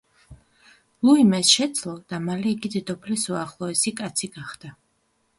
ლუიმ ეს შესძლო და მალე იგი დედოფლის უახლოესი კაცი გახდა.